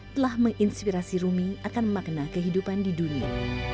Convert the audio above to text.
telah menginspirasi rumi akan memakna kehidupan di dunia